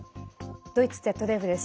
ドイツＺＤＦです。